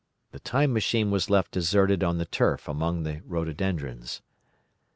The Time Machine was left deserted on the turf among the rhododendrons.